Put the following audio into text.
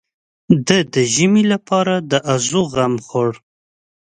ده د ژمي لپاره د ازوغ غم خوړ.